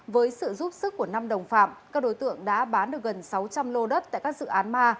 với sự giúp sức của năm đồng phạm các đối tượng đã bán được gần sáu trăm linh lô đất tại các dự án ma